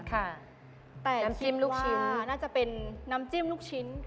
แต่คิดว่าน่าจะเป็นน้ำจิ้มลูกชิ้น